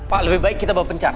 pak lebih baik kita bawa pencari